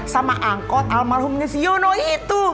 sama angkot almarhumnya si yono itu